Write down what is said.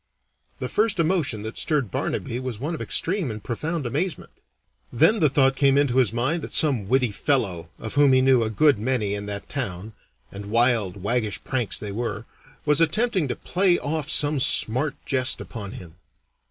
The first emotion that stirred Barnaby was one of extreme and profound amazement. Then the thought came into his mind that some witty fellow, of whom he knew a good many in that town and wild, waggish pranks they were was attempting to play off some smart jest upon him.